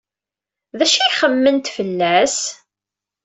D acu ay xemmement fell-as?